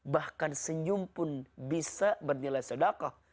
bahkan senyum pun bisa bernilai sodakoh